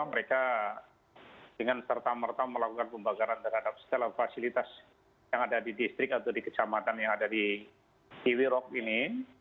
mereka dengan serta merta melakukan pembakaran terhadap segala fasilitas yang ada di distrik atau di kecamatan yang ada di kiwirok ini